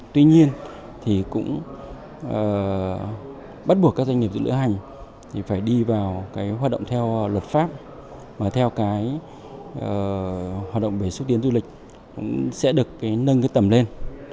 tuy nhiên thì cũng bắt buộc các doanh nghiệp dự lựa hành thì phải đi vào cái hoạt động theo luật pháp mà theo cái hoạt động về xúc tiến du lịch cũng sẽ được nâng cái tầm lên